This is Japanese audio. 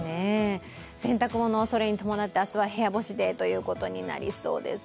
洗濯物、それに伴って明日は部屋干しにとなりそうです。